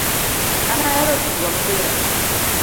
An ahero tugo mpira